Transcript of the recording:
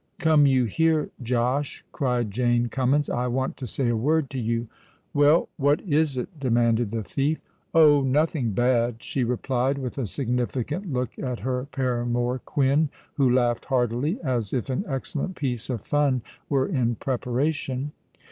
"Come you here, Josh," cried Jane Cummins: "I want to say a word to you." "Well—what is it?" demanded the thief. "Oh! nothing bad," she replied, with a significant look at her paramour Quin, who laughed heartily—as if an excellent piece of fun were in preparation.